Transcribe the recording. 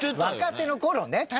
若手の頃ね